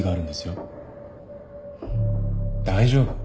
大丈夫。